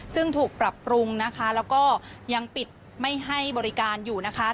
ซึ่งถูกปรับปรุงนะคะแล้วก็ยังปิดไม่ให้บริการอยู่นะคะ